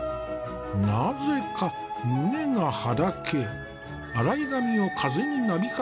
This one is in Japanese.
なぜか胸がはだけ洗い髪を風になびかせている。